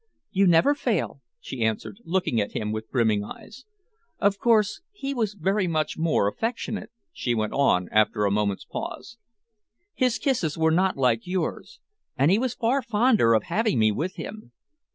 "You never fail," she answered, looking at him with brimming eyes. "Of course, he was very much more affectionate," she went on, after a moment's pause. "His kisses were not like yours. And he was far fonder of having me with him.